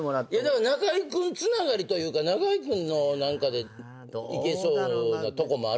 中居君つながりというか中居君の何かでいけそうなとこもあるじゃない。